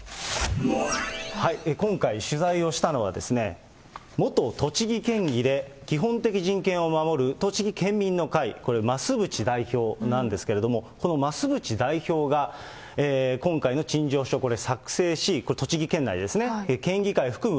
今回、取材をしたのは、元栃木県議で、基本的人権を守る栃木県民の会、これ増渕代表なんですけれども、この増渕代表が、今回の陳情書、これ、作成し、これ栃木県内ですね、県議会含む